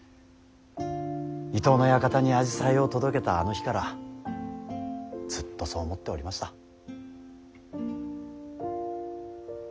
伊東の館にアジサイを届けたあの日からずっとそう思っておりました。